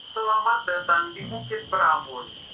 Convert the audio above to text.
selamat datang di bukit beramun